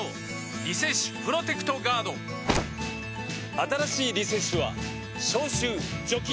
「リセッシュプロテクトガード」新しい「リセッシュ」は消臭・除菌